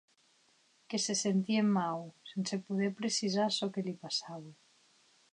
Que se sentie mau, sense poder precisar çò que li passaue.